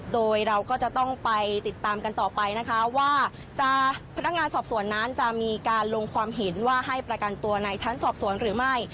โดยเราก็จะต้องไปติดตามกันต่อไปนะคะว่าพนักงานสอบสวนนั้นจะมีการลงความเห็นว่าให้ประกันตัวในชั้นสอบสวนหรือไม่